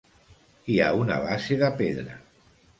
Hi ha una base de pedra.